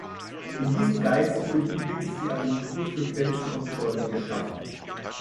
In diesem Geiste wurde übrigens die Agentur für Grenzkontrollen geschaffen.